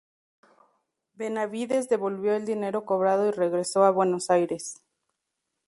Benavídez devolvió el dinero cobrado y regresó a Buenos Aires.